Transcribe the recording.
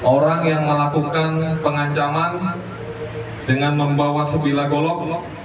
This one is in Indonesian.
orang yang melakukan pengancaman dengan membawa sebilah golok